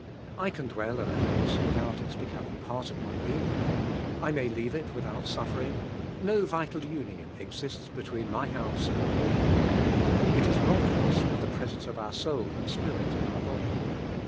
I cam dwell in a. honsewifhout its becoming part of my being. T may leave it without suffering; no vital union exists between mj bouse and me. It is not thus with the presence of our soul and spirit in our body.